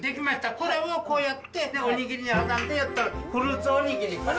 これをこうやっておにぎりに挟んでやったら、フルーツおにぎり。